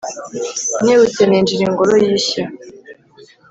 Nkebutse ninjira ingoro yishya